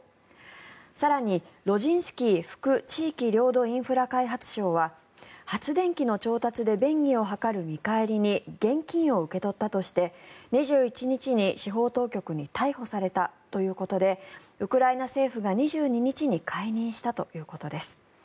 更に、ロジンスキー副地域領土インフラ開発相は発電機の調達で便宜を図る見返りに現金を受け取ったとして２１日に司法当局に逮捕されたということでウクライナ政府が２２日に解任したということです。